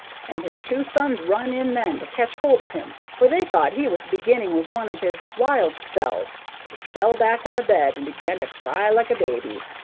_' and his two sons run in then to catch hold of him, for they thought he was beginning with one of his wild spells; but he fell back on the bed and began to cry like a baby.